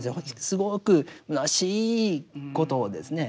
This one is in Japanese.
すごくむなしいことですね。